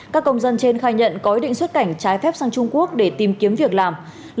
các công dân trên khai nhận có ý định xuất cảnh trái phép sang trung quốc để tìm kiếm việc làm